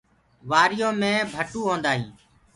وآريو مي ڀٽو هوندآ هينٚ۔